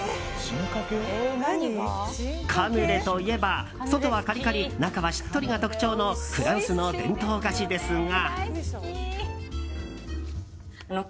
カヌレといえば、外はカリカリ中はしっとりが特徴のフランスの伝統菓子ですが。